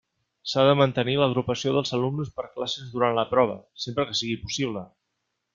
S'ha de mantenir l'agrupació dels alumnes per classes durant la prova, sempre que sigui possible.